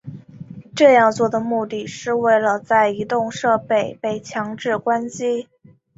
这样做的目的是为了在移动设备被强制关机。